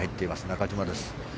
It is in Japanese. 中島です。